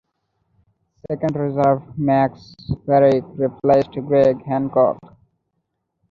Second reserve Max Fricke replaced Greg Hancock.